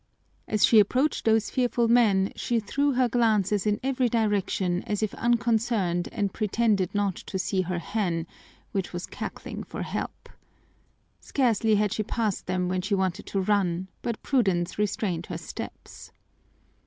As she approached those fearful men she threw her glances in every direction as if unconcerned and pretended not to see her hen, which was cackling for help. Scarcely had she passed them when she wanted to run, but prudence restrained her steps.